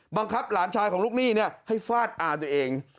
บังคับหลานชายของลูกหนี้เนี่ยให้ฟาดอ่านตัวเอง